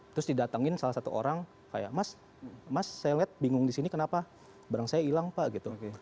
terus didatengin salah satu orang kayak mas saya liat bingung di sini kenapa barang saya hilang pak gitu